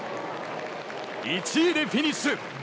１位でフィニッシュ！